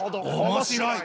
面白い。